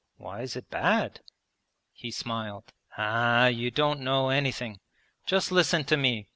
'Why is it bad?' He smiled. 'Ah, you don't know anything. Just listen to me.